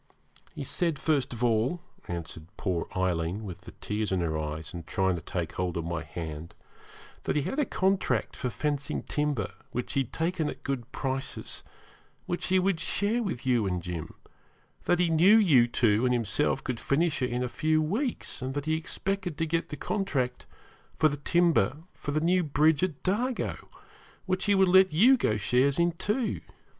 'He said, first of all,' answered poor Aileen, with the tears in her eyes, and trying to take hold of my hand, 'that he had a contract for fencing timber, which he had taken at good prices, which he would share with you and Jim; that he knew you two and himself could finish it in a few weeks, and that he expected to get the contract for the timber for the new bridge at Dargo, which he would let you go shares in too.